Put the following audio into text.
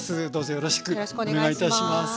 よろしくお願いします。